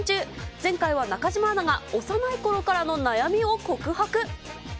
前回は中島アナが幼いころからの悩みを告白。